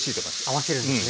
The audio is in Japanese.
合わせるんですね。